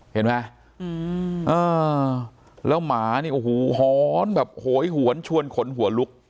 เห็นไหมแล้วหมานี่โอ้โหหอนแบบโหยหวนชวนขนหัวลุก